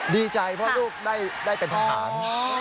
ดีใจเพราะลูกได้เป็นทหาร